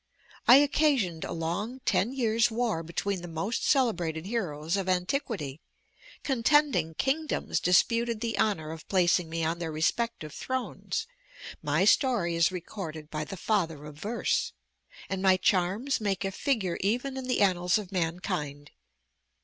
I occasioned a long ten years' war between the most celebrated heroes of antiquity; contending kingdoms disputed the honor of placing me on their respective thrones; my story is recorded by the father of verse; and my charms make a figure even in the annals of mankind.